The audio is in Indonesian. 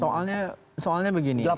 soalnya soalnya begini